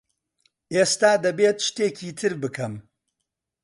ئێستا دەبێت شتێکی تر بکەم.